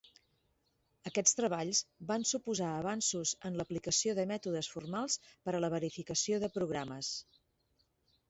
Aquests treballs van suposar avanços en l'aplicació de mètodes formals per a la verificació de programes.